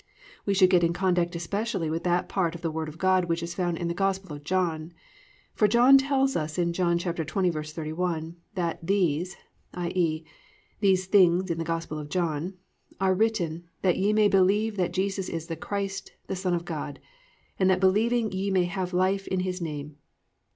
We should get in contact especially with that part of God's Word which is found in the Gospel of John, for John tells us in John 20:31 that +"These+ (i.e., these things in the Gospel of John) +are written, that ye may believe that Jesus is the Christ the Son of God; and that believing ye may have life in his name."